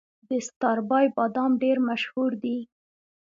د ستاربای بادام ډیر مشهور دي.